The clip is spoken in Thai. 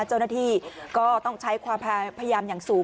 เจ้าหน้าที่ก็ต้องใช้ความพยายามอย่างสูง